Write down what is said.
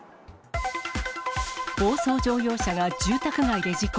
暴走乗用車が住宅街で事故。